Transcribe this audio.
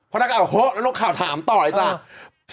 พนักการณ์ว่าโฮะแล้วต้องข่าวถามต่อเลยจ้ะเออ